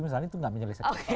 misalnya itu gak menyelesaikan